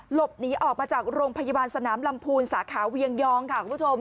หลบหนีออกมาจากโรงพยาบาลสนามลำพูนสาขาเวียงยองค่ะคุณผู้ชม